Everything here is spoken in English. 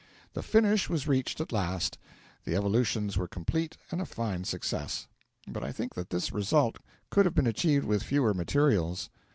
The finish was reached at last, the evolutions were complete and a fine success; but I think that this result could have been achieved with fewer materials.